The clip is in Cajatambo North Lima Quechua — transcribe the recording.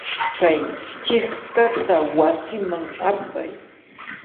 Kay chiqtata wasiman apay.